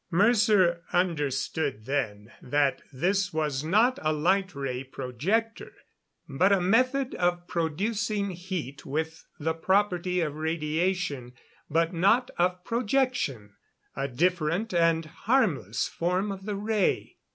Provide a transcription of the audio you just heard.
Mercer understood then that this was not a light ray projector, but a method of producing heat with the property of radiation, but not of projection a different and harmless form of the ray.